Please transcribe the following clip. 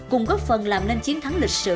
cùng góp phần làm nên chiến thắng lịch sử